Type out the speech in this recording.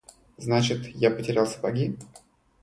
Значит я потерял сапоги?